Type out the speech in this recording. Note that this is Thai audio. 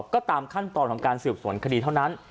ก็ตามขั้นตอนของการสืบสวนคดีเท่านั้น